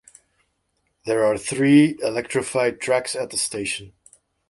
There are three electrified tracks at the station.